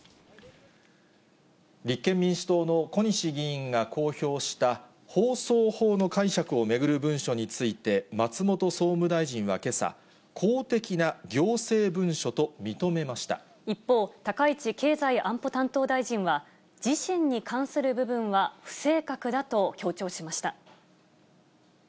立憲民主党の小西議員が公表した、放送法の解釈を巡る文書について、松本総務大臣はけさ、一方、高市経済安保担当大臣は、自身に関する部分は不正確だと強調しました。